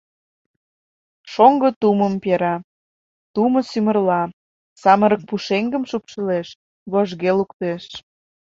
Шоҥго тумым пера — тумо сӱмырла, самырык пушеҥгым шупшылеш — вожге луктеш.